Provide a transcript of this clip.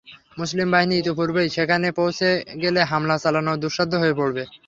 মুসলিম বাহিনী ইতোপূর্বেই সেখানে পৌঁছে গেলে হামলা চালানো দুঃসাধ্য হয়ে পড়বে।